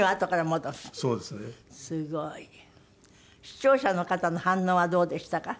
視聴者の方の反応はどうでしたか？